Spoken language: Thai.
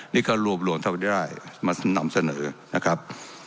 นี่ก็รวบรวมเท่าที่ได้มานำเสนอนะครับ